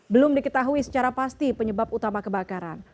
belum diketahui secara pasti penyebab utama kebakaran